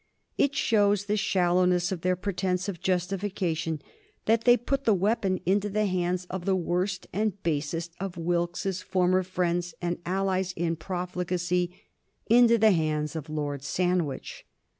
It shows the shallowness of their pretence at justification that they put the weapon into the hands of the worst and basest of Wilkes's former friends and allies in profligacy, into the hands of Lord Sandwich.